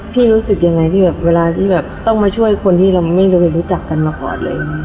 พี่รู้สึกยังไงว่าเวลาต้องมาช่วยคนที่เราไม่เคยรู้จักกับมาก่อนเลย